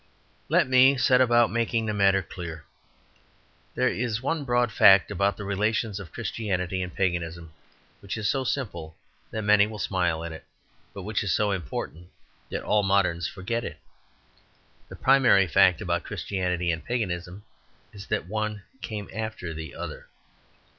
Let me set about making the matter clear. There is one broad fact about the relations of Christianity and Paganism which is so simple that many will smile at it, but which is so important that all moderns forget it. The primary fact about Christianity and Paganism is that one came after the other.